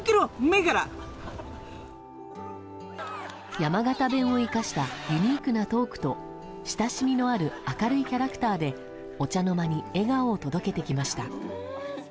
山形弁を生かしたユニークなトークと親しみのある明るいキャラクターでお茶の間に笑顔を届けてきました。